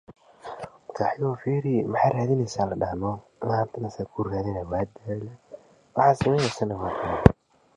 This endowment was not earmarked for new buildings, but for financial aid.